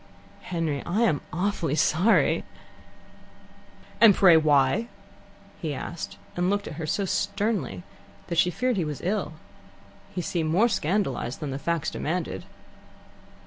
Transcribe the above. "Henry, I am awfully sorry." "And pray why?" he asked, and looked at her so sternly that she feared he was ill. He seemed more scandalized than the facts demanded.